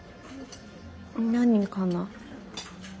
何かな？